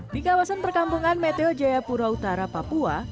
di kawasan perkampungan meteo jayapura utara papua